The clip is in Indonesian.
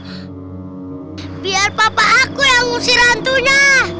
hai biar papa aku yang ngusir hantunya